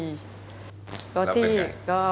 แล้วเป็นยัง